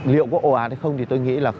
liệu có ổ ạt hay không thì tôi nghĩ là